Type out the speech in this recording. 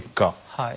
はい。